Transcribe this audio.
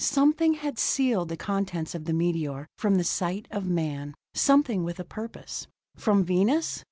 Something had sealed the contents of the meteor from the sight of man, something with a purpose. From Venus?